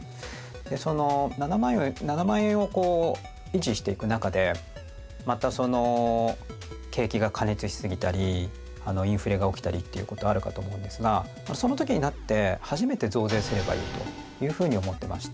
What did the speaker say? でその７万円をこう維持していく中でまたその景気が過熱しすぎたりインフレが起きたりっていうことあるかと思うんですがその時になって初めて増税すればいいというふうに思ってまして。